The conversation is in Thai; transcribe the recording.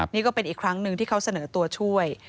นี่ก็เป็นอีกครั้งหนึ่งที่เขาเสนอตัวช่วย